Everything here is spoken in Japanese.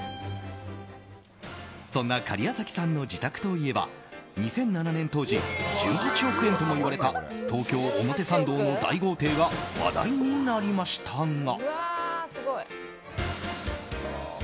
そんな假屋崎さんの自宅といえば２００７年当時１８億円ともいわれた東京・表参道の大豪邸が話題になりましたが。